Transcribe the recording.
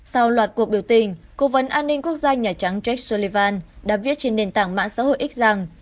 sau loạt cuộc biểu tình cố vấn an ninh quốc gia nhà trắng jake sullivan đã viết trên nền tảng mạng xã hội x rằng